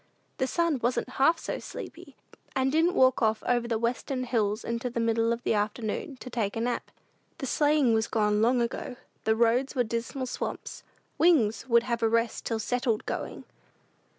The sun wasn't half so sleepy, and didn't walk off over the western hills in the middle of the afternoon to take a nap. The sleighing was gone long ago. The roads were dismal swamps. "Wings" would have a rest till "settled going."